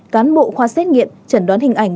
cán bộ khoa xét nghiệm chẩn đoán hình ảnh